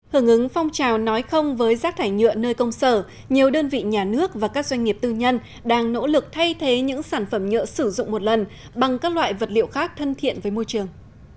hưởng ứng phong trào nói không với rác thải nhựa nơi công sở nhiều đơn vị nhà nước và các doanh nghiệp tư nhân đang nỗ lực thay thế những sản phẩm nhựa sử dụng một lần bằng các loại vật liệu khác thân thiện với môi trường